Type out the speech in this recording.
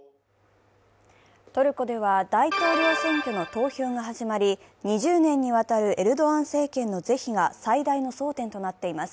トルコでは大統領選挙の投票が始まり、２０年にわたるエルドアン政権の是非が最大の争点となっています。